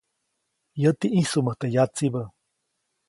Yäti ʼĩjsuʼmät teʼ yatsibä.